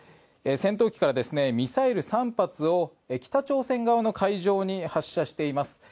戦闘機からミサイル３発を北朝鮮側の海上に発射しています。